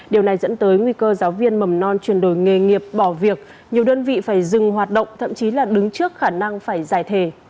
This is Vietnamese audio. điều này dẫn tới nguy cơ giáo viên mầm non chuyển đổi nghề nghiệp bỏ việc nhiều đơn vị phải dừng hoạt động thậm chí là đứng trước khả năng phải giải thề